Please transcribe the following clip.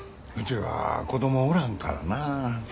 うちは子供おらんからなあ。